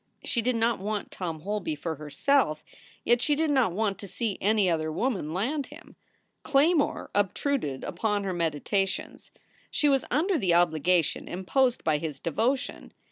She did not want Tom Holby for herself, yet she did not want to see any other woman land him. Claymore obtruded upon her meditations. She was under the obligation imposed by his devotion.